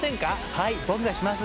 はい僕がします。